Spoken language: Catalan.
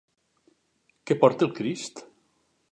Què porta el Crist?